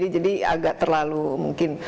jadi agak terlalu mungkin